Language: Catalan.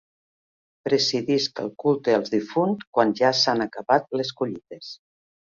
Presidisc el culte als difunts, quan ja s’han acabat les collites.